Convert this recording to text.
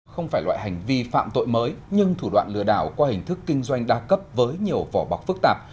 không phải loại hành vi phạm tội mới nhưng thủ đoạn lừa đảo qua hình thức kinh doanh đa cấp với nhiều vỏ bọc phức tạp